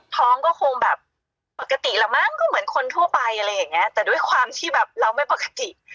ท้องก็คงแบบปกติแล้วมั้งก็เหมือนคนทั่วไปอะไรอย่างเงี้ยแต่ด้วยความที่แบบเราไม่ปกติ